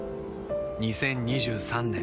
２０２３年